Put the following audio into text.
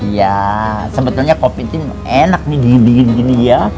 ya sebetulnya kopi entin enak nih dingin dingin gini ya